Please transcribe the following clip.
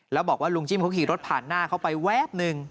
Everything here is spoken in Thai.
แล้วบอกว่าลุงจิ้มเขาขี่รถผ่านหน้าเขาไปแวบหนึ่ง